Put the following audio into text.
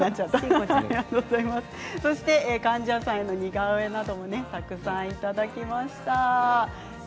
貫地谷さんの似顔絵などもたくさんいただきました。